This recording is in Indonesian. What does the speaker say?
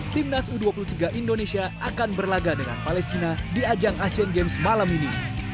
timnas u dua puluh tiga indonesia akan berlaga dengan palestina di ajang asian games malam ini